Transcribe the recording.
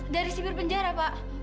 dari sibir penjara pak